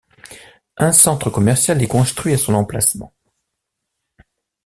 Un centre commercial est construit à son emplacement.